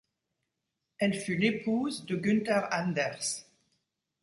Elle fut l'épouse de Günther Anders.